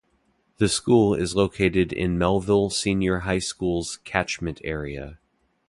The school is located in Melville Senior High School's catchment area.